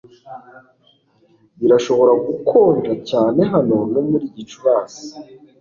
Birashobora gukonja cyane hano no muri Gicurasi